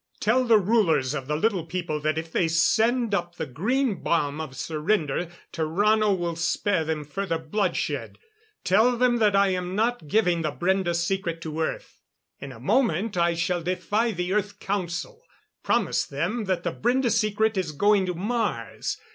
Tell the rulers of the Little People that if they send up the green bomb of surrender Tarrano will spare them further bloodshed. Tell them that I am not giving the Brende secret to Earth. In a moment I shall defy the Earth Council. Promise them that the Brende secret is going to Mars.